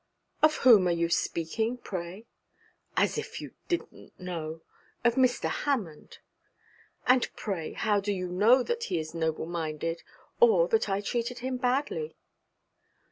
'Of whom are you speaking, pray?' 'As if you didn't know! Of Mr. Hammond.' 'And pray, how do you know that he is noble minded, or that I treated him badly?'